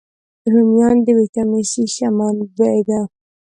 رومیان د ویټامین C ښه منبع دي